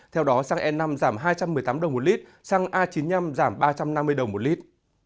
theo đó xăng e năm giảm hai trăm một mươi tám đồng một lít xăng a chín mươi năm giảm ba trăm năm mươi đồng một lít